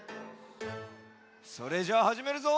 それじゃあはじめるぞ。